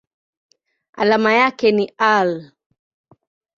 Alama yake ni Al.